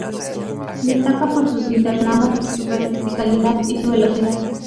Destaca por sus internadas, su verticalidad, y su velocidad.